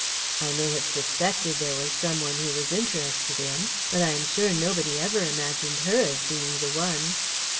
"I may have suspected there was some one he was interested in, but I am sure nobody ever imagined her as being the one.